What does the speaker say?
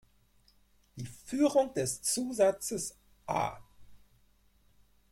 Die Führung des Zusatzes "a.